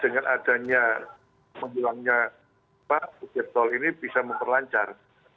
dengan adanya menghilangnya pak bukit tol ini bisa memperlancar